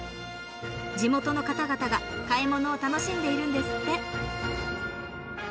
地元の方々が買い物を楽しんでいるんですって。